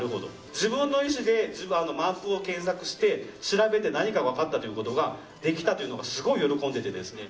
自分の意思でマップを検索して調べて何か分かったということができたというのがすごい喜んでてですね。